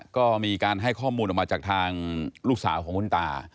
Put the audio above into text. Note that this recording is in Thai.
ก็มีการให้ข้อมูลออกมาจากทางลูกสาวของคุณตา